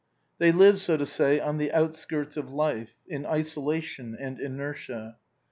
They live, so to say, on the outskirts of life, in isolation and inertia.